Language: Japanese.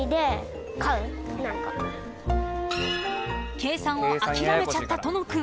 ［計算を諦めちゃったとの君］